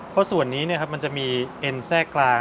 เพราะส่วนนี้มันจะมีเอ็นแทรกกลาง